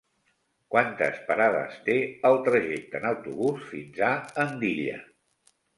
Quantes parades té el trajecte en autobús fins a Andilla?